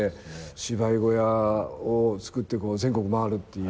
芝居小屋を造って全国を回るっていう。